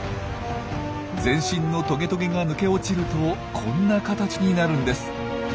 全身のトゲトゲが抜け落ちるとこんな形になるんです。